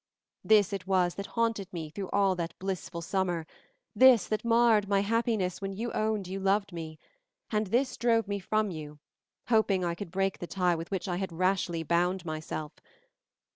This it was that haunted me through all that blissful summer, this that marred my happiness when you owned you loved me, and this drove me from you, hoping I could break the tie with which I had rashly bound myself.